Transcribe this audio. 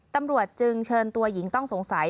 ตำรวจจึงเชิญตัวหญิงต้องสงสัย